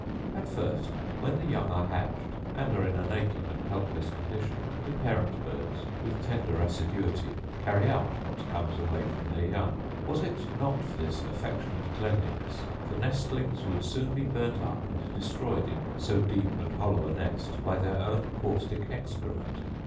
At first when the young are hatched, and are in a naked and helpless condition, the parent birds, with tender assiduity, carry out what comes away from their young. Was it not for this affectionate cleanliness the nestlings would soon be burnt up, and destroyed in so deep and hollow a nest, by their own caustic excrement.